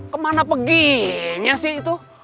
kemana peginya sih itu